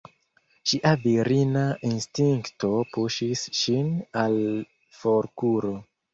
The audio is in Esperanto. Ŝia virina instinkto puŝis ŝin al forkuro.